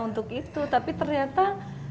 untuk itu tapi ternyata